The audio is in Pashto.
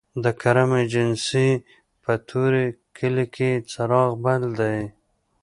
د کرم ایجنسۍ په طوري کلي کې څراغ بل دی